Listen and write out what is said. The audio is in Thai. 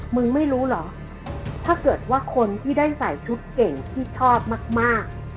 ไม่รู้เหรอถ้าเกิดว่าคนที่ได้ใส่ชุดเก่งที่ชอบมาก